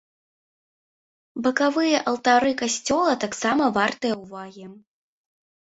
Бакавыя алтары касцёла таксам вартыя ўвагі.